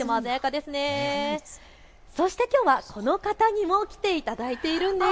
そして、きょうはこの方にも来ていただいているんです。